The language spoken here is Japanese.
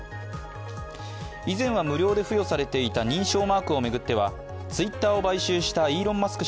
以前は無料で付与されていた認証マークを巡ってはＴｗｉｔｔｅｒを買収したイーロン・マスク